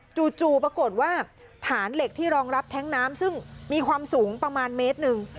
จู่ปรากฏว่าฐานเหล็กที่รองรับแท้งน้ำซึ่งมีความสูงประมาณเมตรหนึ่ง